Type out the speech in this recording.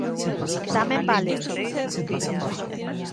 Tamén vale.